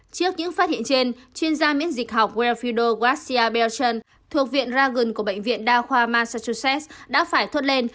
trước những phát hiện trên chuyên gia miễn dịch học wilfrido garcia belchon thuộc viện ragon của bệnh viện đa khoa massachusetts đã phải thuất lên